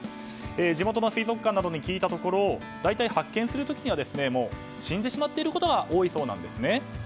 地元の水族館などに聞いたところ大体発見する時にはもう死んでしまっていることが多いそうなんですね。